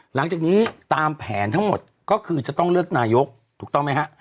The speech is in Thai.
หลังจากนี้ตามแผนทั้งหมดก็คือจะต้องเลือกนายกถูกต้องไหมฮะ